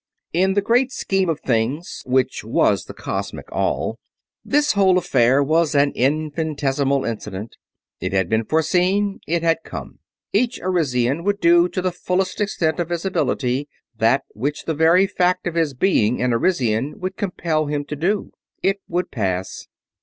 In the Great Scheme of Things which was the Cosmic All, this whole affair was an infinitesimal incident. It had been foreseen. It had come. Each Arisian would do to the fullest extent of his ability that which the very fact of his being an Arisian would compel him to do. It would pass.